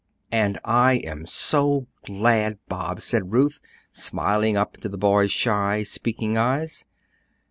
"And I am so glad, Bob," said Ruth, smiling up into the boy's shy, speaking eyes.